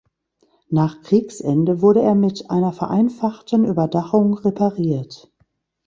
Nach Kriegsende wurde er mit einer vereinfachten Überdachung repariert.